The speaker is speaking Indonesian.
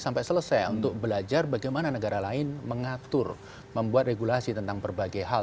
sampai selesai untuk belajar bagaimana negara lain mengatur membuat regulasi tentang berbagai hal